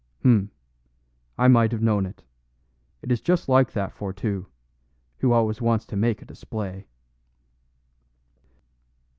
"H'm! I might have known it. It is just like that Fourtou, who always wants to make a display."